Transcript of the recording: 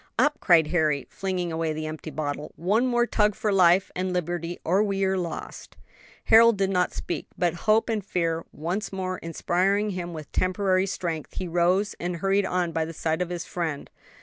"Up!" cried Harry, flinging away the empty bottle, "one more tug for life and liberty, or we are lost!" Harold did not speak, but hope and fear once more inspiring him with temporary strength, he rose and hurried on by the side of his friend.